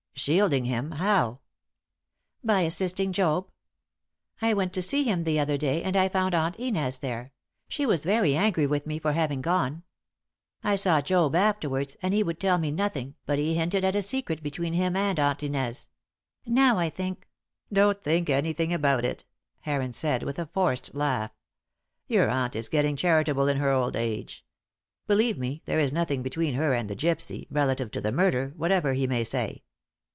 "Shielding him how?" "By assisting Job. I went to see him the other day, and I found Aunt Inez there; she was very angry with me for having gone. I saw Job afterwards, and he would tell me nothing, but he hinted at a secret between him and Aunt Inez; now I think " "Don't think anything about it," Heron said, with a forced laugh. "Your aunt is getting charitable in her old age. Believe me, there is nothing between her and the gypsy, relative to the murder, whatever he may say."